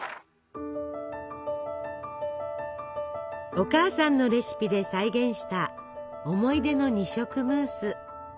お母さんのレシピで再現した思い出の二色ムース。